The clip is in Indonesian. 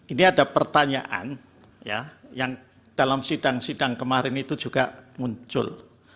ini ada pertanyaan yang dalam sidang sidang kemarin itu juga muncul